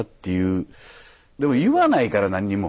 でも言わないから何にも。